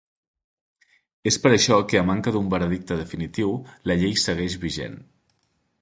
És per això, que a manca d'un veredicte definitiu, la llei segueix vigent.